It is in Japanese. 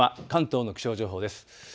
関東の気象情報です。